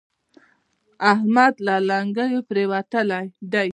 احمد له لېنګو پرېوتلی دی.